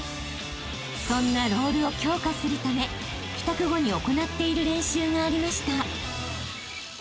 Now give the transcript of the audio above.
［そんなロールを強化するため帰宅後に行っている練習がありました］